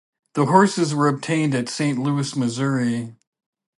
The horses were obtained at Saint Louis, Missouri.